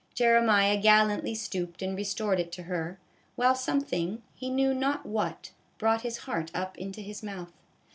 Jeremiah gallantly stooped and re stored it to her, while something, he knew not what, brought his heart up into his mouth.